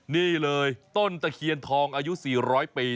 นี่เลยต้นตะเคียนทองอายุ๔๐๐ปี